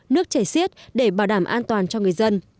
nước chảy xiết để bảo đảm an toàn cho người dân